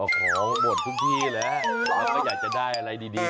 ขอหมดทุกที่แล้วแล้วก็อยากจะได้อะไรดี